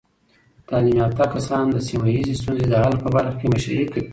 تعلیم یافته کسان د سیمه ایزې ستونزو د حل په برخه کې مشري کوي.